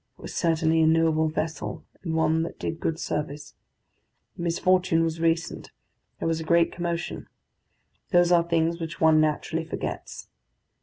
It was certainly a noble vessel, and one that did good service. The misfortune was recent; there was a great commotion. Those are things which one naturally forgets.